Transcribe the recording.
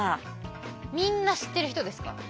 みんな知ってる人ですか？